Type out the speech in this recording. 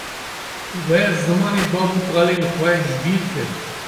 We zimanê bav û kalên xwe jibîr kir